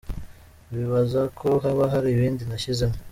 Bibaza ko haba hari ibindi nashyizemo.